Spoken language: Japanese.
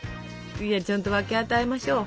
いやちゃんと分け与えましょう。